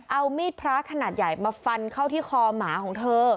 เอามีดพระขนาดใหญ่มาฟันเข้าที่คอหมาของเธอ